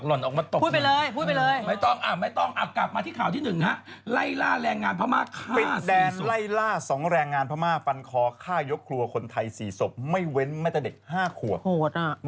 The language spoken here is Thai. เราต้องที่เราคิดไว้ในหลังรายการทิ้งให้หมดคุณแม่